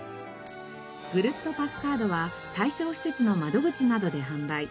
ぐるっとパスカードは対象施設の窓口などで販売。